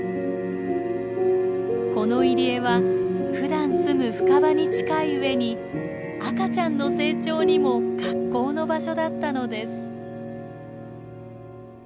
この入り江はふだんすむ深場に近いうえに赤ちゃんの成長にも格好の場所だったのです。